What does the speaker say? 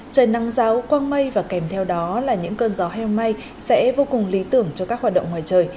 trời nắng giáo quang mây và kèm theo đó là những cơn gió heo may sẽ vô cùng lý tưởng cho các hoạt động ngoài trời